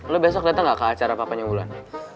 lo besok datang gak ke acara papanya wulan